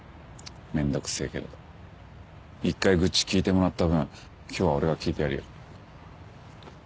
めんどくせえけど１回愚痴聞いてもらった分今日は俺が聞いてやるよ。